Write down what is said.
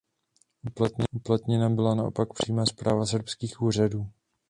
Uplatněna byla naopak přímá správa srbských úřadů.